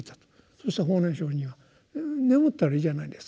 そうしたら法然上人は「眠ったらいいじゃないですか」と。